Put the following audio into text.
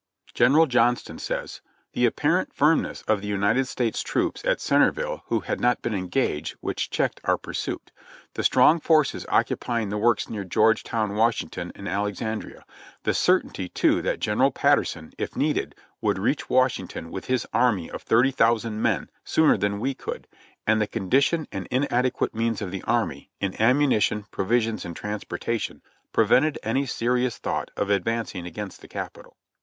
General Johnston says : "The apparent firmness of the United States troops at Centerville, who bad not been engaged, which checked our pursuit; the strong forces occupying the works near Georgetown, Washington and Alexandria; the certainty too that General Patterson, if needed, would reach Washington with his army of 30,000 men sooner than we could, and the condition and inadequate means of the army, in ammunition, provisions and transportation, prevented any ser ious thought of advancing against the Capital.''